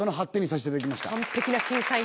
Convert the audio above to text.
完璧な審査員。